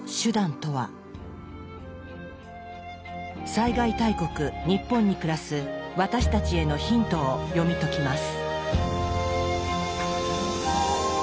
災害大国日本に暮らす私たちへのヒントを読み解きます。